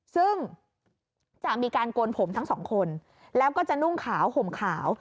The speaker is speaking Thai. ซึ่งจะมีการโกนผมทั้งสองคนแล้วก็จะนุ่งขาวห่มขาว